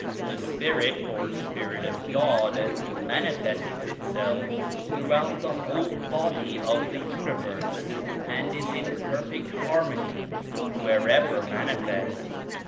The Spirit or Spirit of God manifests Itself throughout the whole body of the universe and is in perfect harmony wherever manifest.